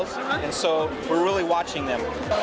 jadi kami benar benar menonton mereka